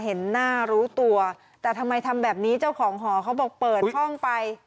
เห็นหน้ารู้ตัวแต่ทำไมทำแบบนี้เจ้าของหอเขาบอกเปิดห้องไป